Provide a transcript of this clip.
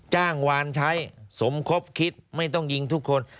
จ้างวานใช้สมคบคิดไม่ต้องยิงทุกคน